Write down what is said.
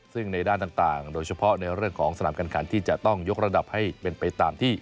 ซึ่งในด้านต่างโดยเฉพาะในเรื่องของสนามการขันที่จะต้องยกระดับให้เป็นไปตามที่